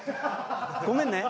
ごめんね。